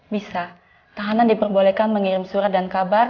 bisa tahanan diperbolehkan mengirim surat dan kabar